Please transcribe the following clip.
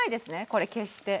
これ決して。